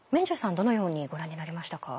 どのようにご覧になりましたか？